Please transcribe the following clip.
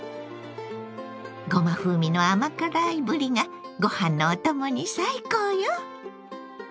ごま風味の甘辛いぶりがご飯のお供に最高よ！